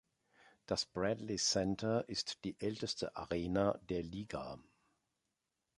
Das Bradley Center ist die älteste Arena der Liga.